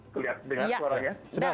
kelihat dengar suaranya